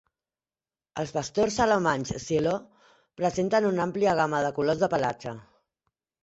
Els pastors alemanys shiloh presenten una àmplia gamma de colors de pelatge.